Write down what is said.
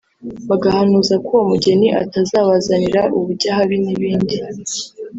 bagahanuza ko uwo mugeni atazabazanira ubujyahabi n’ibindi